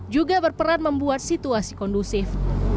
juga berperan membuat situasi kondusif